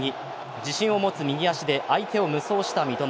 自信を持つ右足で相手を無双した三笘。